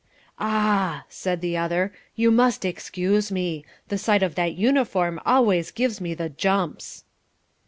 "Ah!" said the other. "You must excuse me. The sight of that uniform always gives me the jumps."